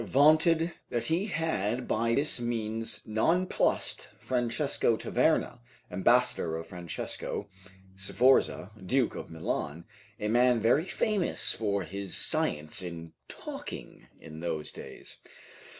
vaunted that he had by this means nonplussed Francesco Taverna, ambassador of Francesco Sforza, Duke of Milan, a man very famous for his science in talking in those days.